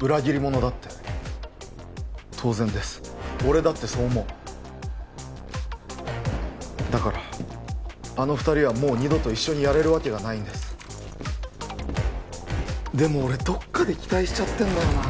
裏切り者だって当然です俺だってそう思うだからあの二人はもう二度と一緒にやれるわけがないんですでも俺どっかで期待しちゃってるんだよな